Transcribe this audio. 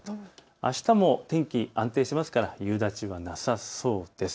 あしたも天気、安定してますから夕立はなさそうです。